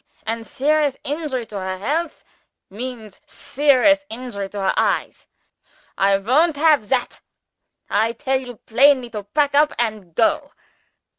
And serious injury to her health means serious injury to her eyes. I won't have that I tell you plainly to pack up and go.